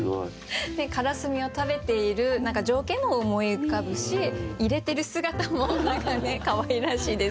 からすみを食べている情景も思い浮かぶし入れてる姿も何かねかわいらしいですよね。